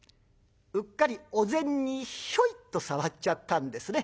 うっかりお膳にひょいと触っちゃったんですね。